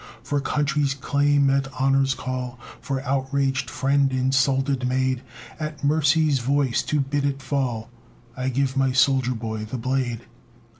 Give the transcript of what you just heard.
For country's claim at honor's call, For outraged friend, insulted maid, At mercy's voice to bid it fall I give my soldier boy the blade!